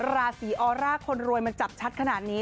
ราศีออร่าคนรวยมันจับชัดขนาดนี้